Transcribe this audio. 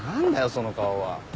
その顔は。